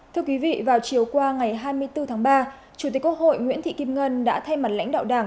thưa quý vị vào chiều qua ngày hai mươi bốn tháng ba chủ tịch quốc hội nguyễn thị kim ngân đã thay mặt lãnh đạo đảng